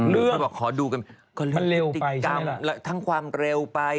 ก็เรื่องพฤติกรรมทั้งความเร็วไป